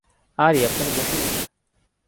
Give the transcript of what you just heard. আরে আপনারা বসেন না।